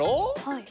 はい。